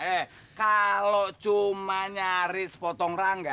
eh kalau cuma nyaris sepotong rangga